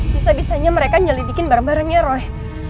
bisa bisanya mereka nyelidikin bareng bareng ya roy